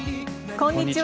こんにちは。